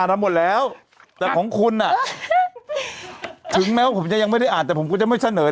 แสดงว่าคุณยังไม่ได้อ่านค่านี้เลยใช่คุณคุณละเนินเว้ย